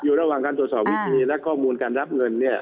อยู่ระหว่างการตรวจสอบวิธีและข้อมูลการรับเงินเนี่ย